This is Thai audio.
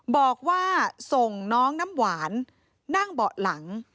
บอกว่าส่งน้องน้ำหวานนั่งเบาะหลัง